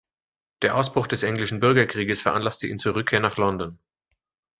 Der Ausbruch des Englischen Bürgerkrieges veranlasste ihn zur Rückkehr nach London.